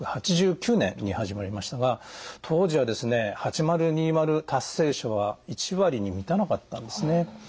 １９８９年に始まりましたが当時はですね８０２０達成者は１割に満たなかったんですね。